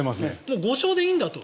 ５勝でいいんだと。